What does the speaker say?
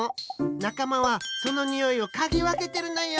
なかまはそのにおいをかぎわけてるのよ！